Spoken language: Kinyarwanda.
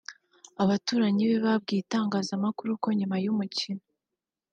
Abaturanyi be babwiye itangazamakuru ko nyuma y’umukino